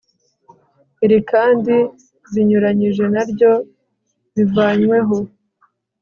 iri kandi zinyuranyije na ryo bivanyweho